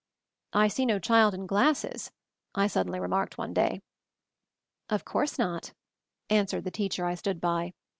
"I see no child in glasses!" I suddenly re marked one day. "Of course not," answered the teacher I stood by.